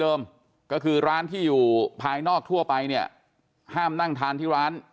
เดิมก็คือร้านที่อยู่ภายนอกทั่วไปเนี่ยห้ามนั่งทานที่ร้าน